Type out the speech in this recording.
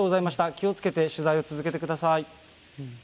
気をつけて取材を続けてください。